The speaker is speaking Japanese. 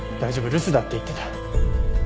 留守だって言ってた。